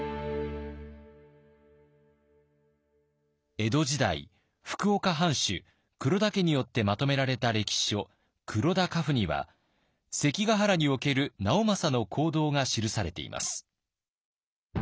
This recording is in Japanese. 江戸時代福岡藩主黒田家によってまとめられた歴史書「黒田家譜」には関ヶ原における直政の行動が記されています。